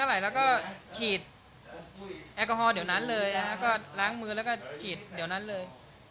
ไหลแล้วก็ฉีดแอลกอฮอลเดี๋ยวนั้นเลยนะฮะก็ล้างมือแล้วก็ฉีดเดี๋ยวนั้นเลย